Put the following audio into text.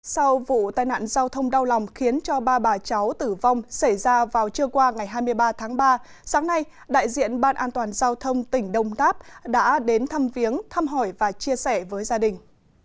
sau vụ tai nạn giao thông đau lòng khiến cho ba bà cháu tử vong xảy ra vào trưa qua ngày hai mươi ba tháng ba sáng nay đại diện ban an toàn giao thông tỉnh đông tháp đã đến thăm viếng thăm hỏi và chia sẻ với gia đình